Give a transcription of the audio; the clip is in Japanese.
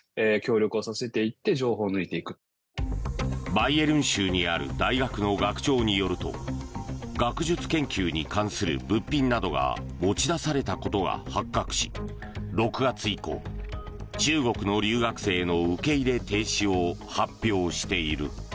バイエルン州にある大学の学長によると学術研究に関する物品などが持ち出されたことが発覚し６月以降、中国の留学生の受け入れ停止を発表している。